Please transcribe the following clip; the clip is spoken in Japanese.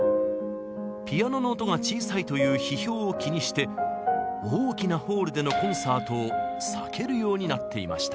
ピアノの音が小さいという批評を気にして大きなホールでのコンサートを避けるようになっていました。